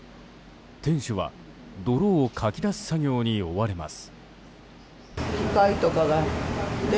店主は、泥をかき出す作業に追われます。